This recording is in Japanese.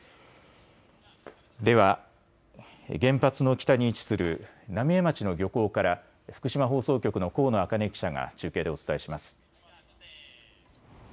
では原発の北に位置する浪江町の漁港から、福島放送局の高野茜記者が中継でお伝えします。